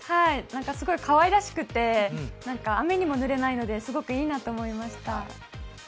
すごいかわいらしくて雨にも濡れないので、すごくいいなと思いました。